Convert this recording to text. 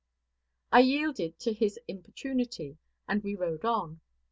I yielded to his importunity, and we rode on.